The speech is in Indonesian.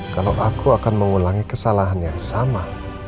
kalau aku akan mengulangi kesalahan yang sama